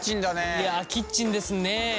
いやキッチンですね！